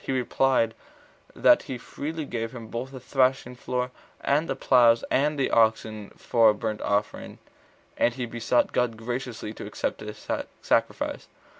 He replied, that he freely gave him both the thrashing floor and the ploughs and the oxen for a burnt offering; and he besought God graciously to accept his sacrifice.